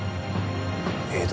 江戸？